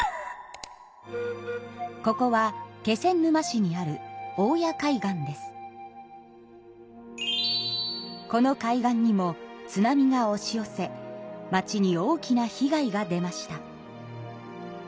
ここは気仙沼市にあるこの海岸にも津波がおし寄せ町に大きな被害が出ました。